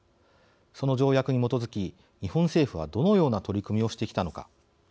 その条約に基づき日本政府はどのような取り組みをしてきたのか。